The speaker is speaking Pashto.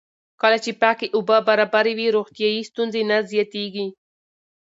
کله چې پاکې اوبه برابرې وي، روغتیایي ستونزې نه زیاتېږي.